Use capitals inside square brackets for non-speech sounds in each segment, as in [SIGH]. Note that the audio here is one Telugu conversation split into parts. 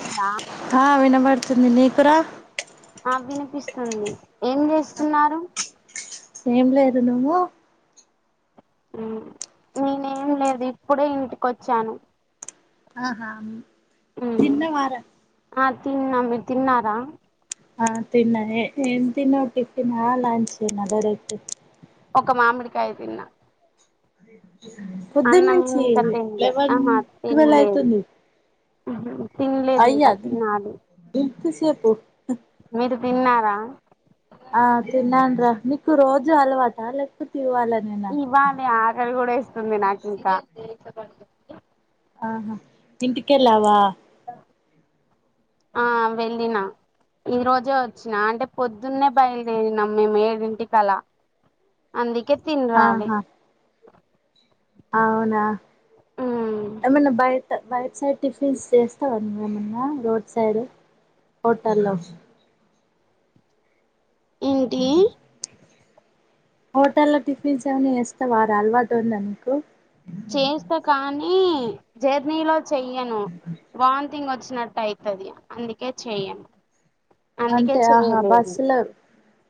ఉందా ఆ వినబడుతుంది నీకురా అ వినిపిస్తుంది ఏం జేస్తున్నారు ఏం లేదు నువ్వు నేనేం లేదు ఇప్పుడే ఇంటికొచ్చాను ఆహా ఉమ్, తిన్నవారా ఆ తిన్నా మీర్ తిన్నారా ఆ తిన్నా ఎ ఏం తిన్నవ్ టిఫినా ఆ లంచేనా డైరెక్ట్ ఒక మామిడికాయ తిన్నా పొద్దున్ అన్నం నుంచి ఇంకా తినలే లెవెన్ టువెల్ అయితుంది తిన్లేద్ ఇంక తినాలి తిసేపు మీరు తిన్నారా ఆ తిన్నాన్ రా మీకు రోజు అలవాట లేక్పోతె ఇవాల ఇవ్వాలే ఆకల్ గుడా ఏస్తుంది నాకు ఇంకా ఆహా ఇంటికెళ్లావా ఆ వెళ్ళిన ఈరోజే వచ్చిన అంటే పొద్దున్నే బయల్దేరినాం మేమ్ ఏడింటికళ్లా అందుకే తిన్ రాలే ఆహా అవునా ఉమ్, ఏమన్న బైట బై సైడ్ టిఫిన్స్ చేస్తావా నువ్ ఏమన్నా రోడ్ సైడ్ హోటల్లో ఏంటి హోటల్లో టిఫిన్స్ ఏమన్న యేస్తవారా అల్వాటుందా నీకు చేస్తా కానీ జర్నీలో చెయను వామ్తింగ్ వచ్చినట్ట్ అయ్ తది అందుకే చెయ్యను అందుకే అంటే ఆహా చేయలేదు బస్సులో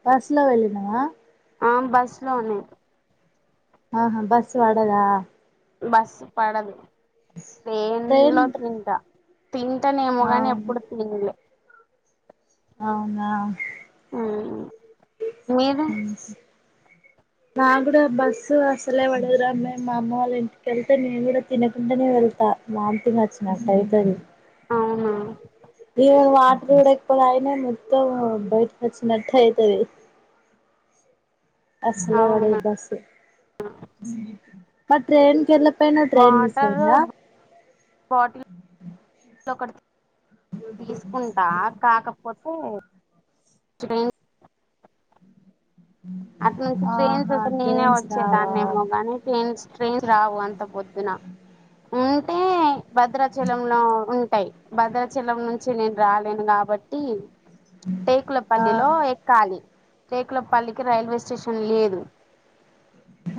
బస్ లో వెళ్ళినవా ఆం బస్ లోనే ఆహా బస్సు వడదా బస్ పడదు ట్రేన్ ట్రైన్ లో తింటా తింటనేమోగాని అవును ఎప్పుడు తినలే అవునా ఆ మీరు మ్మ్ నా కూడా బస్సు అసలే పడదు రా మేం మా అమ్మ వాళ్ళ ఇంటికెళ్తే నేను కూడా తినకుండనే వెళ్తా వాంతింగ్ వచ్చినట్టు అయితది అవునా మ్మ్ వాటర్ కూడా ఎక్కువ తగ్గిన మొత్తం బయటకి వచ్చినట్టు అయితది అసలే పడదు అవునా బస్ మరి ట్రైన్ కి ఎలా పోయిన ట్రైన్ మిస్ వాటర్ అయిందా బాటిల్ ఒకటి తీసుకుంటా కాకపోతే ట్రేన్ అటు నుంచి ట్రైన్స్ ఆహా వస్తె నేనే ట్రైన్స్ రావా వచ్చేదాన్నేమో గాని ట్రైన్స్ ట్రైన్స్ రావు అంత పొద్దున ఉంటే భద్రాచలంలో ఉంటాయి భద్రాచలం నుంచి నేను రాలేను కాబట్టి ఆ టేకులపల్లిలో ఎక్కాలి టేకులపల్లికి రైల్వే స్టేషన్ లేదు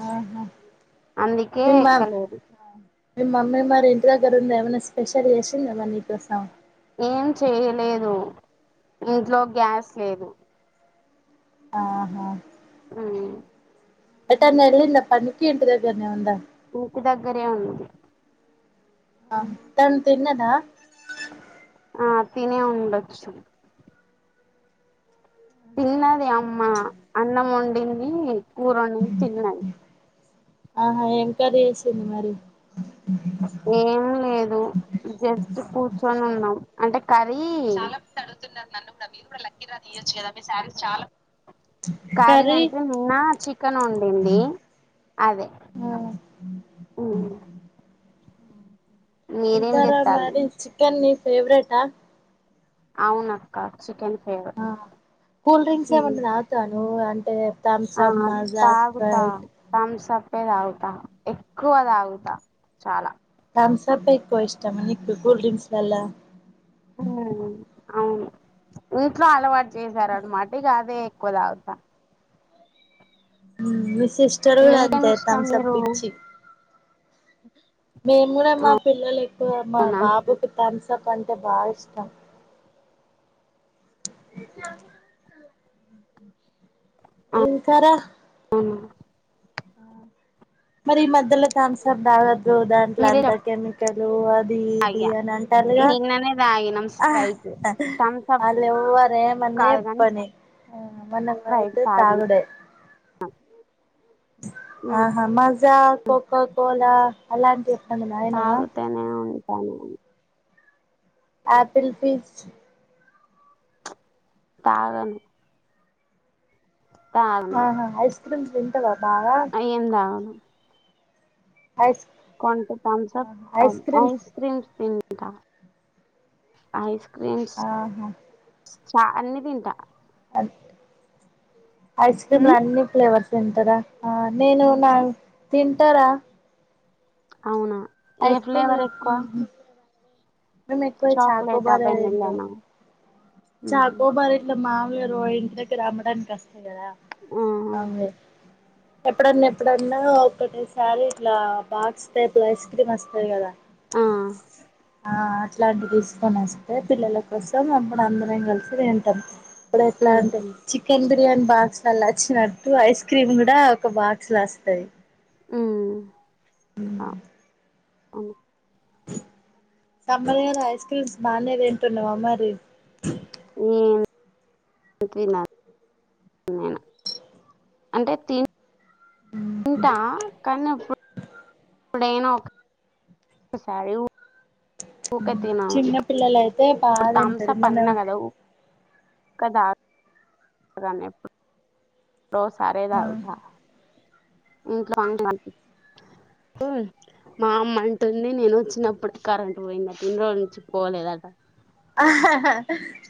ఆహా అందుకే నేను మా ఎక్కలేదు మీ మమ్మీ మరి ఇంటి దగ్గర ఉంది ఏమైన స్పెషల్ చేసిందా మరి నీకోసం ఏం చేయలేదు ఇంట్లో గ్యాస్ లేదు ఆహా మ్మ్ ఎటన్న వెళ్ళిందా పనికిి ఇంటి దగ్గరనే ఉందా ఇంటి దగ్గరే ఉంది ఆ తను తిన్నదా ఆ తిని ఉండచ్చు తిన్నది అమ్మ అన్నం వండింది కూర వండింది తిన్నది ఆహా ఏం కర్రీ చేసిండ్రు మరి ఏం లేదు జస్ట్ కూర్చొని ఉన్నాం అంటే ఖాళీ తున్నారు నన్ను కూడా మీరు కూడా లక్కీ డ్రా తీయొచ్చు కదా మీ శారీస్ చాలా కర్రీ అంటే నిన్న చికెన్ వండింది అదే ఆ మ్మ్ మీరేం తింటారా చెత్తాళ్ళు మరి చికెన్ ని ఫేవరేటా అవునక్క చికెన్ ఫేవరట్ మ్మ్ తను అంటే థమ్సప్ మజా స్ప్రైట్ థమ్సప్పె తాగుతా ఎక్కువ తాగుతా చాలా థమ్సప్ ఎక్కువ ఇష్టం ఆ నీకు కూల్ డ్రిక్స్లాల్ల మ్మ్ అవును ఇంట్లో అలవాటు చేసారనమాట ఇగ అదే ఎక్కువ తాగుతా మ్మ్ మీ సిస్టర్ కూడా అంతే మీకేమి ఇష్టం థంప్సప్ మీరు పిచ్చి మేము కూడా మా పిల్లలు ఎక్కువ మా అవునా బాబు థంబ్స్ అప్ అంటే బాగా ఇష్టం ఇంకా రా మ్మ్ మరి ఈ మధ్యలో థమ్సప్ తాగ రో దాంట్లో మీరే చెప్ అంత కెమికల్ అది ఇది తాగా అని అంటళ్లుగా నిన్ననే తాగినం ఆ స్ప్రైట్ థమ్సప్ వాళ్ళు ఎవ్వరు ఏమన్నా కాదు కాని చెప్పని ఆ మనము స్ప్రైట్ అయితే తాగినం తాగుడే ఆహా మజా కోఖో కోలా అలాంటివి తాగుతనే ఉంటాను ఆపిల్ ఫీజ్ తాగాను తాగను ఆహా ఐస్ ఐస్ క్రీమ్స్ తింటార బాగా ఏం తాగను ఐస్ కొంట థమ్సప్ అండ్ ఐస్ క్రీమ్స్ తీన్ ఐస్ క్రీమ్ ఆహా చ అన్ని తింటా అట్ ఐస్ క్రీమ్లు అన్ని ఫ్లేవర్స్ తింటరా ఆ నేను నా తింటా రా అవునా ఏ ఐస్ ఫ్లేవర్ ఎక్కువ నేను ఎక్కువ చాక్లెటా చాకోబార్ తింట వెన్నెలానా ఉహు చాకోబారు ఇట్ల మామూలగ ఇంటి దగ్గర అమ్మడానికి వస్ వును కదా [INAUDIBLE] ఆ ఎప్పుడన్నా ఎప్పుడన్నా ఒకటేసారి ఇట్లా బాక్స్ టైప్లా ఐస్ క్రీమ్ వస్తయి కదా ఆ అట్లాంటి తీసుకొని వస్తే పిల్లల కోసం అమ్మా ఆప్పుడు అందరం కలిసి తింటాం ఇప్పుడు ఎట్లా అంటే ఉహు చికెన్ బిర్యానీ బాక్స్ లా వచ్చినట్టు ఐస్ క్రీమ్ కూడా ఒక బాక్స్ లా వస్తాయి ఉ కా సమ్మర్ లోనే ఐస్ క్రీమ్స్ బానే తింటున్నావా మరి ఉమ్ [UNINTELLIGIBLE] నేనా అంటే తీన్ కానీ అప్పుడు ఎప్పుడైనా ఒకసారి ఊకా తిను చిన్న పిల్లలయితే బాగా తింటారు థామ్సాప్ మన అన్న కదా ఊ కదా కానీ ఎప్పుడు ఎప్పుడో ఒకసారి తాగుతా ఇంట్లో ఉన్నప్పుడు మా అమ్మ అంటుంది నేను వచ్చినప్పుడు కరెంట్ పోయింది ఆట ఇన్ని రోజుల నుంచి పోలేదట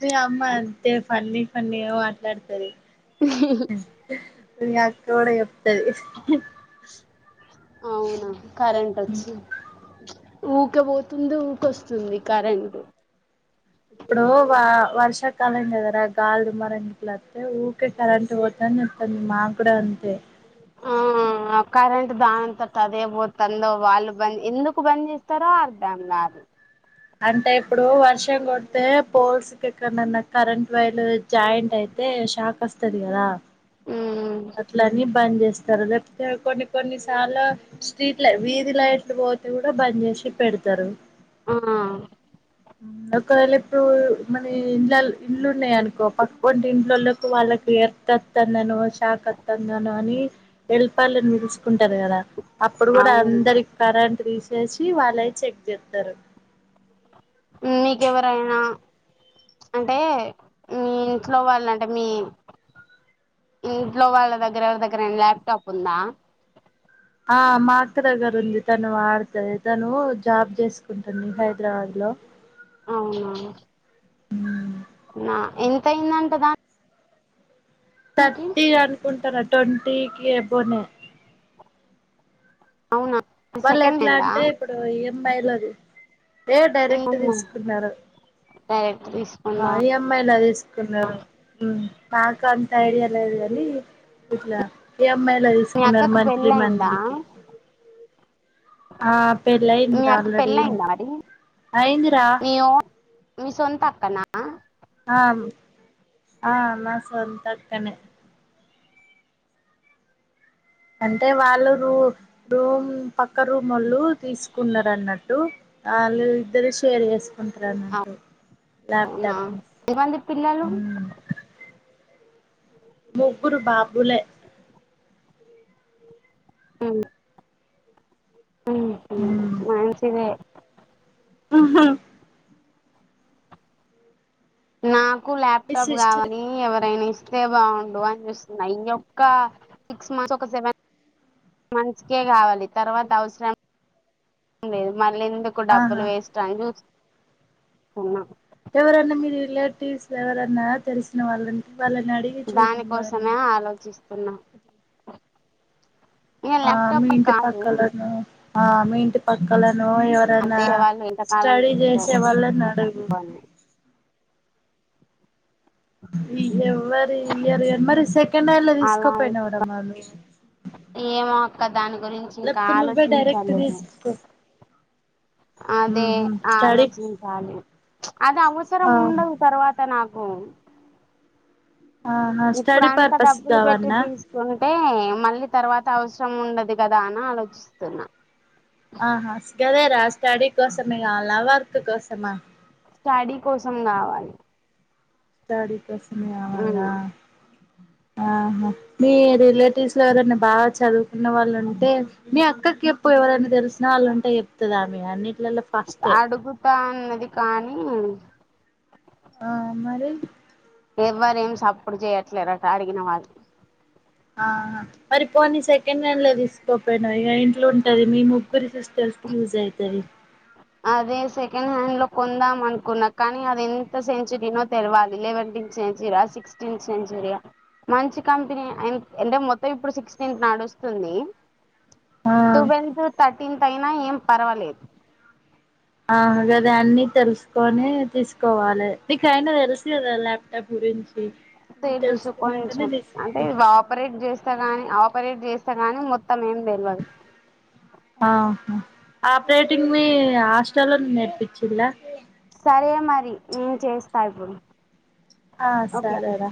మీ అమ్మ అంతే ఫన్నీ ఫన్నీ మాట్లాడుతది ఇంగ అక్క కూడా చెప్తది అవునా కరెంట్ వచ్చి ఊకే పోతుంది ఊకే వస్తుంది కరెంటు ఇప్పుడు వా వర్షాకాలం కదరా గాలి దుమారం గిట్ల వత్తే ఊకె కరెంట్ పోతాంది వత్తాంది మా కూడా అంతే ఆ కరెంట్ దాని అంతటా ఆదే పోతుందో వాళ్ళు బంద ఎందుకు బంద్ చేస్తారో అర్థం కాదు అంటే ఇప్పుడు వర్షం కొడితే పోల్స్ ఎక్కడన్నా కరెంట్ వైర్లు జాయింట్ అయితే షాక్ వస్తది కదా ఉ అట్లని బంద్ చేస్తారు కొన్ని కొన్ని సార్లు స్ట్రీట్ ల వీధి లైట్లు పోతే కూడా బంద్ చేసి పెడతారు ఆ ఒకవేళ ఎప్పుడు మన ఇండ్ల ఇల్లు ఉన్నాయి అనుకో పక్కపోంటి ఇండ్లలో లకి వాళ్ళకి తత్తన్న షాక్ అత్తంది తందనో అని వెళపాలని ఇరుసు కుంటారు కదా అప్పుడు కూడా అవును అందరి కరెంట్ తీసేసి వాళ్ళుయి చెక్ చేస్తారు నీకెవరైనా అంటే మీ ఇంట్లో వాళ్ళ అంటే మీ ఇంట్లో వాళ్ళ దగ్గర ఎవరి దగ్గరైనా దగ్గర ల్యాప్టాప్ ఉందా ఆ మా అక్క దగ్గర ఉంది తను వాడుతంది తను జాబ్ చేసుకుంటుంది హైదరాబాద్ లో అవునా ఉమ్ నా ఎంతయిందంట దాని థర్టీ అనుకుంటాను ట్వంటీకి అబౌనే అవునా వాళ్ళు సెకండ్ ఎట్లా హ్యాండా అంటే ఇప్పుడు ఈ ఏమ్ ఐ లది ఏ డైరెక్ట్ తీసుకున్నారు డైరెక్ట్ ఆ తీసుకుందా ఈ ఏం ఐ లా తీసుకు కున్నారు నాకు అంత ఐడియా లేదు కానీ ఇట్లా ఈఎంఐలో మీ తీసుకున్నారు అక్కకు మంత్లీ పెళ్ళి అయిందా మంత్లీకి ఆ పెళ్లి మీ అయిందీరా అక్క ఆల్రెడీ పెళ్ళి అయిందా మరి అయిందిరా మీ ఓన్ మీ సొంత అక్కనా ఆ ఆ మా సొంత అక్కనే అంటే వాళ్ళు రూ రూమ్ పక్క రూమోల్లు తీసుకున్నారు అన్నట్టు వాళ్ళు ఇద్దరు షేర్ చేసుకుంటారు అన్నట్టు అవునా ల్యాప్టాప్ని ఎంతమంది పిల్లలు మ్మ్ ముగ్గురు బాబులే ఆ ఉహు మంచిదే ఉహ నాకు మీ ల్యాప్టాప్ సిస్టర్ కావలీ ఎవరైనా ఇ స్తే బాగుండు అని చూస్తున్నా ఈ ఒక్క సిక్స్ మంత్స్ ఒక సెవెన్ మంత్స్ కే కావాలి తర్వాత అవసరం లేదు మళ్ళ ఎందు కు డబ్బులు ఆహా వేస్ట్ అని చూస్తున్న ఎవరన్నా మీ రిలేటివ్స్ ఎవరన్నా తెలిసిన వాళ్ళకి వాళ్ళని అడి దాని కోసమే ఆలోచిస్తున్నా ఇక ఆ మీ ల్యాప్టాప్ ఇంటి కాదు పక్కాలనో ఆ ఇంటి పక్కలనో ఎవరైనా అదే వాళ్ళు ఎంతకాలానికి స్టడీ ఇస్తారు చేసే వాళ్ళని అడుగు అని ఎవరు ఇయర్ మరి సెకండ్ హ్యాండ్ లా అలా తీసుకోపోయినావు రా మరి ఏమో అక్క దాని గురించి ఇంకా లేకపోతే నువ్వే డైరెక్ట్ ఆలోచించాలదు తీసుకో అదే స్టడీ ఆలోచించాలి అది అవసరం ఉండదు తర్వాత నాకు ఆహా ఇప్పుడు స్టడీ అంతా పర్పస్ డబ్బులు పెట్టి కావల్నా తీసు కుంటే మళ్ళీ తర్వాత అవసరం ఉండదు కదా అని ఆలోచిస్తున్నా ఆ హస్ కదేరా స్టడీ కోసం ఆ కావాలా వర్క్ కోసమా స్టడీ కోసం గావాలి దాడీ కోసమా ఉమ్ ఆహా మీ రిలేటివ్స్ లో ఎవరన్నా బాగ చదువుకున్న వాళ్ళు ఉంటే నీ అక్కక్ కెప్పు ఎవరన్నా దెస్సినా వాళ్ళుంటే ఏప్తుది ఆమె అన్నింటిలలో అడుగుతా అన్నది కానీ ఆ మరి ఎవ్వరేం సప్పుడు జేయ్యట్లేరాట అడిగిన వారు ఆహా మరి పోనీ సెకండ్ హ్యాండ్ల దీస్కోపోయ్నవ్ ఇగా ఇంట్లుంటది మీ ముగ్గురు సిస్టర్స్ కి యూస్ అయితది అదే సెకండ్ హ్యాండ్ లో కొందాం అన్కున్నా కానీ అది ఎంత సెంచిరీనో తెల్వాలి లెవెంటీన్త్ సెంచరా సిక్స్టీన్ సెంచరీయా మంచి కంపెనీ అంటే మొత్తం ఇప్పుడు సిక్స్టీన్త్ నాడుస్తుంది ఆ ట్వెల్త్ తట్టింత్ అయినా ఏం పర్వాలేదు ఆ గాదే అన్నీ తెల్సుకొనీ తీస్కోవాలే నీకైనా తెల్సు గాదా ఎప్పుడించి తెలుసు కొంచెం అంటే అవి ఆపరేట్ జెస్ స్తగాని ఆపరేట్ జేస్తే గాని మొత్తం ఏం తెల్వాదు ఆహా ఆపరేటింగ్ వీ ఆస్టల్లో నేర్పిచ్చిల్లా సరే మరి నేన్ చేస్తా ఇప్పుడు ఆ ఓకేనా సరేరా